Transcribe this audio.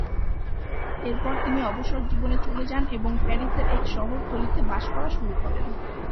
এরপর তিনি অবসর জীবনে চলে যান এবং প্যারিসের এক শহরতলীতে বাস করা শুরু করেন।